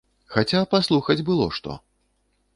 Хаця паслухаць было што.